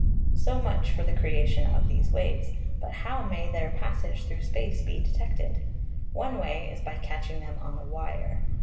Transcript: So much for the creation of these waves. But how may their passage through space be detected? One way is by catching them on a wire.